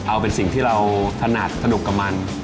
เอาเป็นสิ่งที่เราถนัดสนุกกับมัน